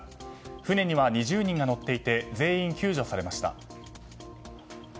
船には２０人が乗っていて全員救助されました。